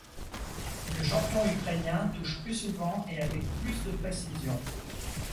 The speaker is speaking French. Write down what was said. Le champion ukrainien touche plus souvent et avec plus de précision.